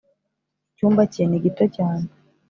icyumba cye ni gito cyane.